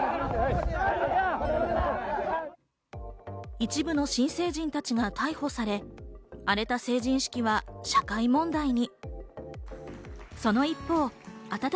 一部の新成人たちが逮捕され、荒れた成人式は社会問題に。